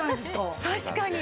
確かに。